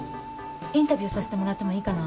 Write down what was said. インタビューさせてもらってもいいかな？